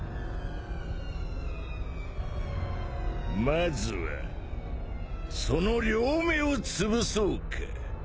まずはその両目をつぶそうか。